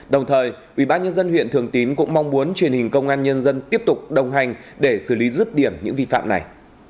đồng thời ủy ban nhân dân huyện thường tín cũng mong muốn truyền hình công an nhân dân tiếp tục đồng hành để xử lý rứt điểm những vi phạm này